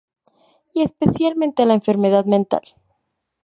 Y especialmente, la enfermedad mental.